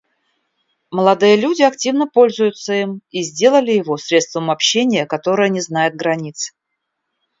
Молодые люди активно пользуются им и сделали его средством общения, которое не знает границ.